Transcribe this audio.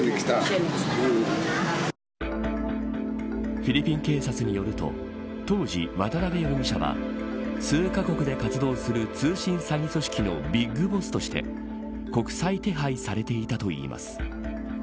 フィリピン警察によると当時、渡辺容疑者は数カ国で活動する通信詐欺組織のビッグボスとして国際手配されていたといいます。